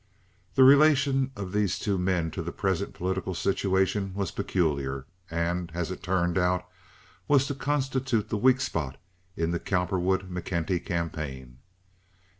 The relation of these two men to the present political situation was peculiar, and, as it turned out, was to constitute the weak spot in the Cowperwood McKenty campaign.